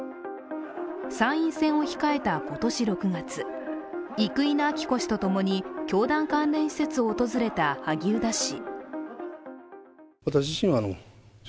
参院選を控えた今年６月、生稲晃子氏と共に教団関連施設を訪れた萩生田氏。